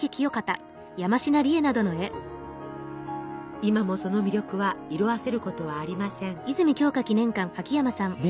今もその魅力は色あせることはありません。